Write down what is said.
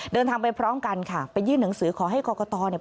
เดินทางไปพร้อมกันค่ะไปยื่นหนังสือขอให้กรกตเนี่ย